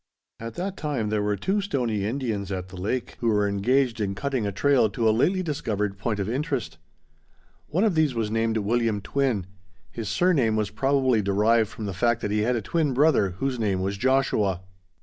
At that time there were two Stoney Indians at the lake, who were engaged in cutting a trail to a lately discovered point of interest. One of these was named William Twin; his surname was probably derived from the fact that he had a twin brother, whose name was Joshua.